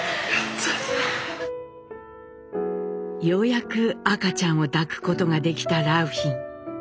ようやく赤ちゃんを抱くことができた良浜。